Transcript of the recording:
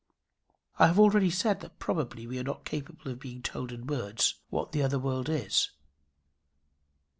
I have already said that probably we are not capable of being told in words what the other world is.